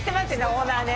オーナーね